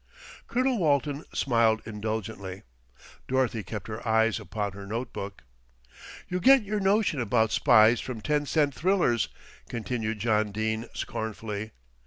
Colonel Walton smiled indulgently, Dorothy kept her eyes upon her note book. "You get your notion about spies from ten cent thrillers," continued John Dene scornfully.